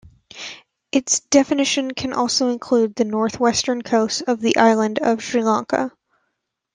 Its definition can also include the northwestern coast of the island of Sri Lanka.